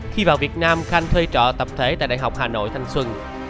khi vào việt nam khanh thuê trọ tập thể tại đại học hà nội thanh xuân